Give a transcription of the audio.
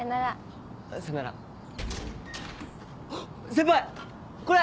先輩これ！